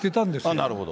なるほど。